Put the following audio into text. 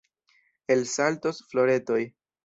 Elsaltos floretoj.